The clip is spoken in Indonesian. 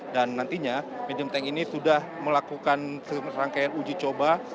nantinya medium tank ini sudah melakukan rangkaian uji coba